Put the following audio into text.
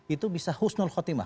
itu bisa husnul khotimah